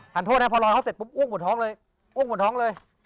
ท่านโทษนะพอรอยเขาเสียบันกล้องหมดท้องเลย